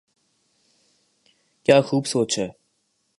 کیا خوب سوچ ہے۔